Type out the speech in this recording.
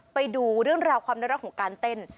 ไปดูเรื่องราวความน่ารักของการเต้น